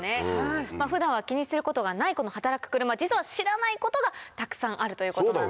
普段は気にすることがないこの働く車実は知らないことがたくさんあるということなんです。